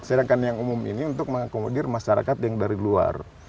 sedangkan yang umum ini untuk mengakomodir masyarakat yang dari luar